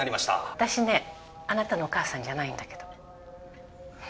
私ねあなたのお母さんじゃないんだけど。